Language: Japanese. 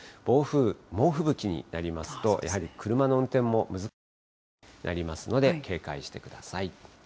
暴風、猛吹雪になりますと、やはり車の運転も難しいぐらいになりますので、警戒してください。